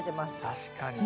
確かに。